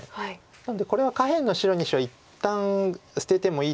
なのでこれは下辺の白２子は一旦捨ててもいいという気持ちで。